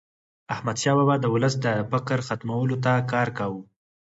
احمدشاه بابا به د ولس د فقر ختمولو ته کار کاوه.